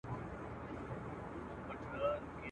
په ځواني کي د مېړه او تر مېړه وروسته د زوی